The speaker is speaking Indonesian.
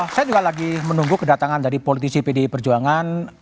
saya juga lagi menunggu kedatangan dari politisi pdi perjuangan